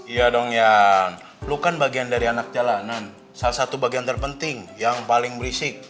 iya dong ya lu kan bagian dari anak jalanan salah satu bagian terpenting yang paling berisik